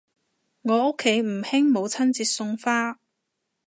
我屋企唔興母親節送花